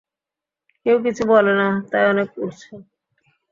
কেউ কিছু বলে না, তাই অনেক উড়ছো।